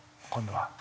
今度は。